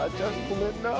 ごめんな。